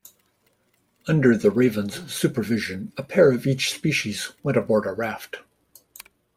Under the Raven's supervision a pair of each species went aboard a raft.